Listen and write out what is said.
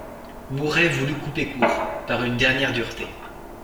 Mouret voulut couper court, par une dernière dureté.